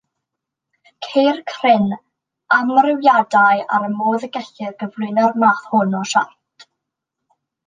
Ceir cryn amrywiadau ar y modd y gellir cyflwyno'r math hwn o siart.